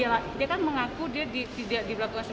tapi dia kan mengaku dia tidak diberlakukan